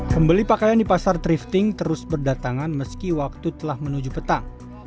pembeli pakaian di pasar thrifting terus berdatangan meski waktu telah menuju petang